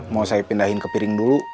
mau saya pindahin ke piring dulu